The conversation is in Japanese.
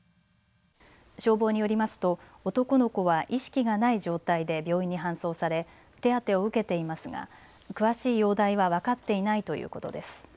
消防によりますと男の子は意識がない状態で病院に搬送され手当てを受けていますが詳しい容体は分かっていないということです。